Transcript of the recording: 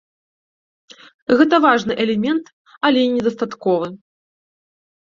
Гэта важны элемент, але недастатковы.